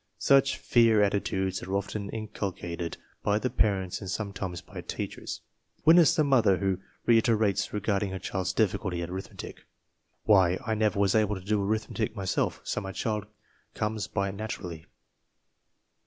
Such fear attitudes are often inculcated by the parents and some times by teachers. (Witness the mother who reiterates regarding her child's difficulty with arithmetic, "Why, I never was able to do arithmetic myself, so my child comes by it naturally.")